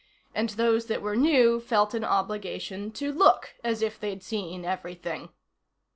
And those that were new felt an obligation to look as if they'd seen everything.